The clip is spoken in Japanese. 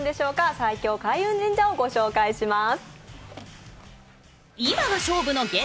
最強開運神社を御紹介します。